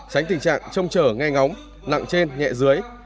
tránh tình trạng trông trở ngay ngóng nặng trên nhẹ dưới